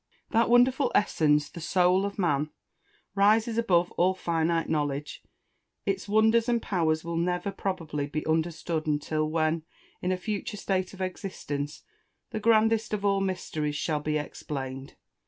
That wonderful essence, the Soul of man, rises above all finite knowledge. Its wonders and powers will never, probably, be understood until when, in a future state of existence, the grandest of all mysteries shall be explained.